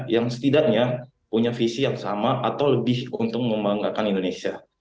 yang setidaknya punya visi yang sama atau lebih untung membanggakan indonesia